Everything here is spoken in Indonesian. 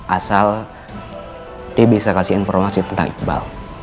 asal dia bisa kasih informasi tentang iqbal